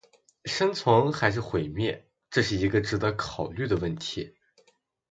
生存还是毁灭，这是一个值得考虑的问题